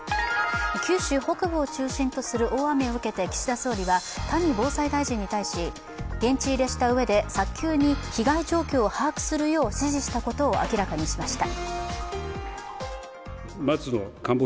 九州北部を中心とする大雨を受けて岸田総理は谷防災大臣に対し、現地入りしたうえで、早急に被害状況を把握するよう指示したことを明らかにしました。